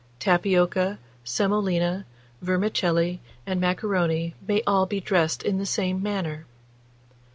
Tapioca, semolina, vermicelli, and macaroni, may all be dressed in the same manner.